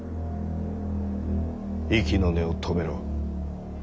息の根を止めろ。